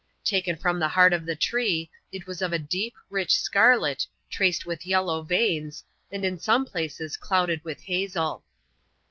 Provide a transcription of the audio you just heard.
Taken from the heart of the tree, it was of a deep, rich scarlet, traced with yellow veins, and in some places clouded with hazel.